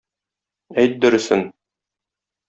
Әйт дөресен!